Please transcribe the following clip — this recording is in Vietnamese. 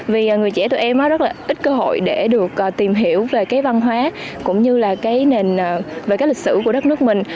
vì người trẻ tụi em rất là ít cơ hội để được tìm hiểu về cái văn hóa cũng như là cái lịch sử của đất nước mình